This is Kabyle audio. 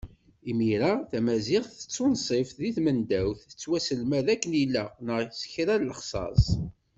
Imir-a tamaziɣt d tunṣibt di tmendawt, tettwaselmad akken ilaq neɣ s kra n lexṣaṣ.